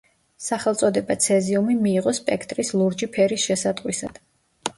სახელწოდება „ცეზიუმი“ მიიღო სპექტრის ლურჯი ფერის შესატყვისად.